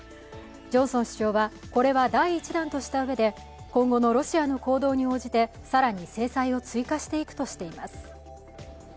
ジョンソン首相は、これは第１弾としたうえで、今後のロシアの行動に応じて更に制裁を追加していくとしています。